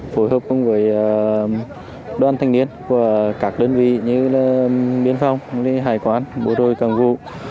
phối hợp với đoàn thanh niên và các đơn vị như biên phong hải quán bộ đội cảng vũ